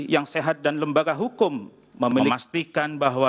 yang sehat dan lembaga hukum memiliki peran kritis dalam memastikan bahwa